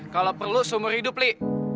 kalau perlu seumur hidup nih